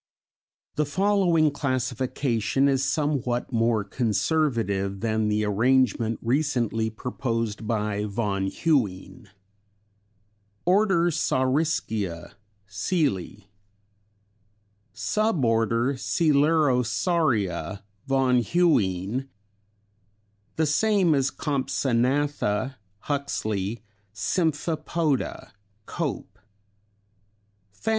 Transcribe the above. The following classification is somewhat more conservative than the arrangement recently proposed by von Huene. ORDER SAURISCHIA Seeley. Suborder Coelurosauria von Huene (=Compsognatha Huxley, Symphypoda Cope.) Fam.